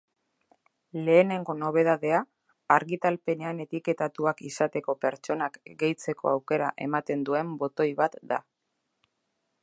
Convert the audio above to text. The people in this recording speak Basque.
Lehenengo nobedadea argitalpenean etiketatuak izateko pertsonak gehitzeko aukera ematen duen botoi bat da.